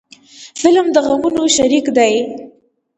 فلم د غمونو شریک دی